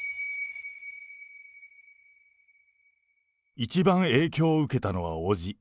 一番影響を受けたのは伯父。